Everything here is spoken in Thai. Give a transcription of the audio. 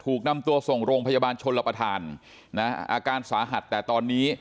ถูกนำตัวส่งโรงพยาบาลชนรับประทานนะอาการสาหัสแต่ตอนนี้